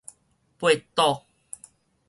八堵